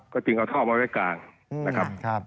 ก็จึงเอาท่อมาไว้กลางนะครับ